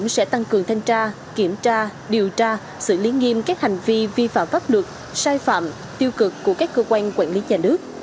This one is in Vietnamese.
sẽ tăng cường thanh tra kiểm tra điều tra xử lý nghiêm các hành vi vi phạm pháp luật sai phạm tiêu cực của các cơ quan quản lý nhà nước